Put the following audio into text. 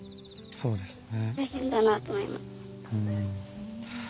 そうですね。